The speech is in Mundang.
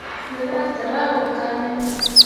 Wǝ rah tǝrah wo kane.